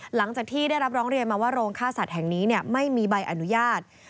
หลังจากที่ได้รับร้องเรียนมาว่าโรงฆ่าสัตว์แห่งนี้ไม่มีใบอนุญาต